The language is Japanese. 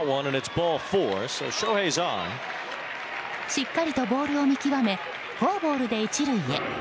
しっかりとボールを見極めフォアボールで１塁へ。